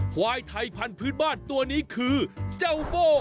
ควายไทยพันธุ์บ้านตัวนี้คือเจ้าโบ้